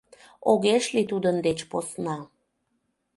Огеш лий тудын деч посна.